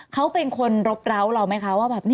เขาเป็นคนรบร้าวเราไหมคะว่าแบบ